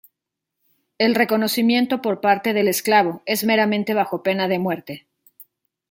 El reconocimiento por parte del esclavo es meramente bajo pena de muerte.